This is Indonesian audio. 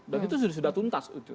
dan itu sudah tuntas